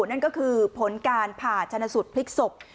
นั่นก็คือผลการผ่าชนะสูตรพลิกศพ